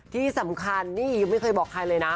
ที่สำคัญนี่ยังไม่เคยบอกใครเลยนะ